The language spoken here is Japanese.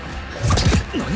何⁉